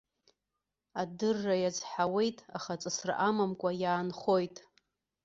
Адырра иазҳауеит, аха ҵысра амамкәа иаанхоит.